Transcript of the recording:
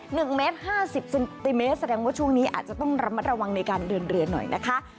หนึ่งเมตรห้าสิบเซนติเมตรแสดงว่าช่วงนี้อาจจะต้องระมัดระวังในการเดินเรือหน่อยนะคะ